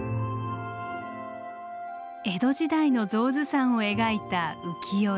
江戸時代の象頭山を描いた浮世絵。